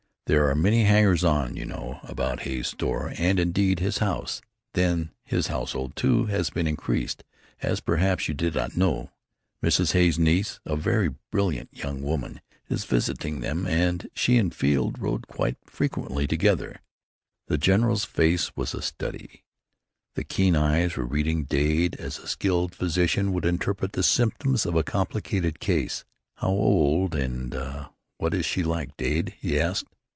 There are many hangers on, you know, about Hay's store, and indeed, his house. Then his household, too, has been increased, as perhaps you did not know. Mrs. Hay's niece a very brilliant young woman is visiting them, and she and Field rode frequently together." The general's face was a study. The keen eyes were reading Dade as a skilled physician would interpret the symptoms of a complicated case. "How old and what is she like, Dade?" he asked.